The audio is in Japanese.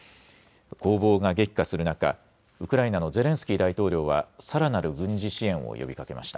攻防が激化する中、ウクライナのゼレンスキー大統領はさらなる軍事支援を呼びかけました。